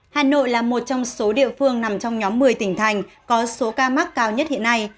hà nội là một trong số địa phương nằm trong nhóm một mươi tỉnh thành có số ca mắc cao nhất hiện nay